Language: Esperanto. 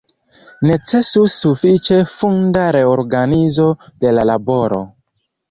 Necesus sufiĉe funda reorganizo de la laboro.